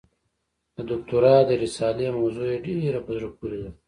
د دوکتورا د رسالې موضوع یې ډېره په زړه پورې ده.